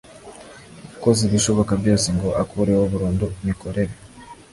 yakoze ibishoboka byose ngo akureho burundu imikorere